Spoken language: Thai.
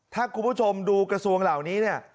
ถ้าคุณผู้ชมดูกระทรวงเหล่านี้เนี่ย